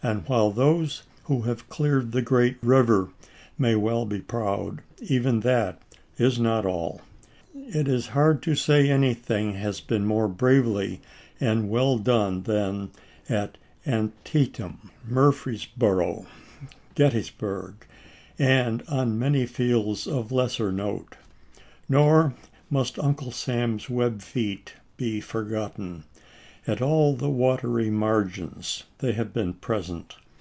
And while those who have cleared the great river may well be proud, even that is not all. It is hard to say that anything has been more bravely and well done than at Antietam, Mur 384 ABKAHAM LINCOLN ch. xiii. freesboro, Gettysburg, and on many fields of lesser note. Nor must Uncle Sam's web feet be forgotten. At all the watery margins they have been present.